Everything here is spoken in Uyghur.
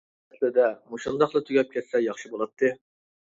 ئەسلىدە مۇشۇنداقلا تۈگەپ كەتسە ياخشى بولاتتى.